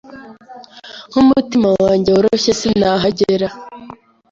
nkumutima wanjye-woroshye sinahagera